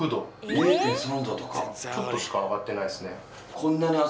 ０．３℃とかちょっとしか上がってないですね。